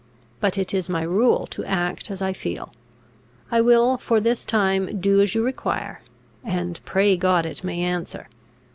But it is my rule to act as I feel. I will for this time do as you require; and, pray God, it may answer.